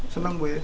senang bu ya